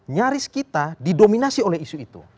nyaris kita didominasi oleh isu itu